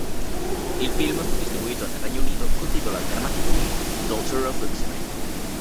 Il film fu distribuito nel Regno Unito col titolo alternativo di Daughter of Luxury.